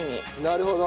なるほど。